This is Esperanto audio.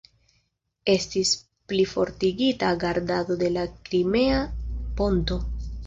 Estis plifortigita gardado de la Krimea ponto.